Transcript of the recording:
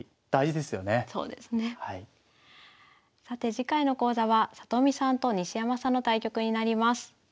さて次回の講座は里見さんと西山さんの対局になります。